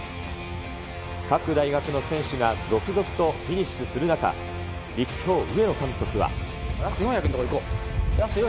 各大学の選手が続々とフィニッシュする中、立教、上野監督は。